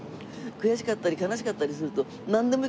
悔しかったり悲しかったりすると。